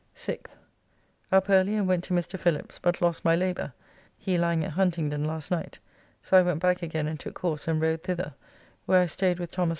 6th. Up early and went to Mr. Phillips, but lost my labour, he lying at Huntingdon last night, so I went back again and took horse and rode thither, where I staid with Thos.